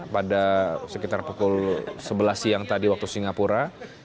pada sekitar pukul sebelas siang tadi waktu singapura